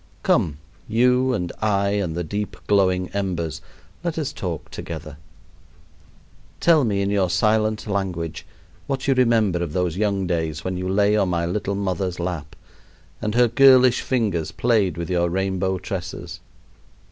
Come, you and I and the deep glowing embers, let us talk together. Tell me in your silent language what you remember of those young days, when you lay on my little mother's lap and her girlish fingers played with your rainbow tresses.